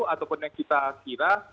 ataupun yang kita kira